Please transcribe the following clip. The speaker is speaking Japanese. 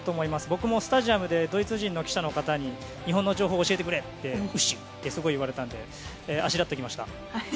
僕もスタジアムでドイツ人の記者の方に日本の情報教えてくれ、うっしーすごい言われたのであしらっておきました。